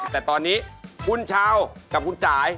แต่ตอนนี้คุณเช้ากับคุณจ่าย